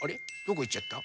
どこいっちゃった？